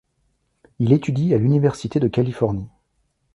Il étudie à l'Université de Californie.